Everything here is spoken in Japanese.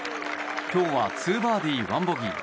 今日は２バーディー１ボギー。